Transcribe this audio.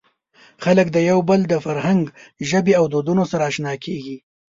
خلک د یو بل د فرهنګ، ژبې او دودونو سره اشنا کېږي.